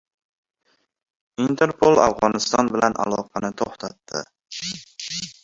Interpol Afg‘oniston bilan aloqani to‘xtatdi